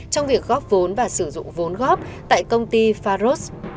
trong việc góp vốn và sử dụng vốn góp tại công ty faros